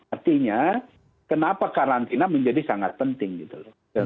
artinya kenapa karantina menjadi sangat penting gitu loh